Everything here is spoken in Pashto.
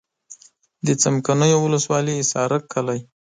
د څمکنیو ولسوالي حصارک کلی.